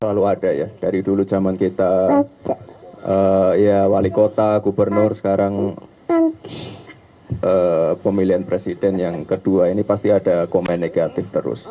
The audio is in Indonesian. selalu ada ya dari dulu zaman kita ya wali kota gubernur sekarang pemilihan presiden yang kedua ini pasti ada komen negatif terus